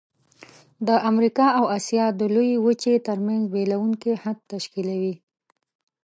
د امریکا او آسیا د لویې وچې ترمنځ بیلوونکی حد تشکیلوي.